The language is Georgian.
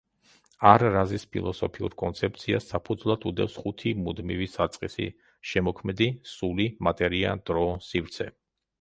არ-რაზის ფილოსოფიურ კონცეფციას საფუძვლად უდევს ხუთი მუდმივი საწყისი: „შემოქმედი“, „სული“, „მატერია“, „დრო“, „სივრცე“.